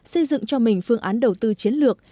xây dựng cho mình phương án đầu tư chiến lược